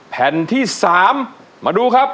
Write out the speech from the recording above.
แผ่นที่๓มาดูครับ